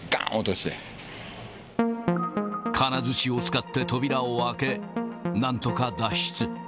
金づちを使って扉を開け、なんとか脱出。